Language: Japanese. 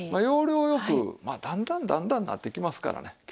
要領良くだんだんだんだんなっていきますからね。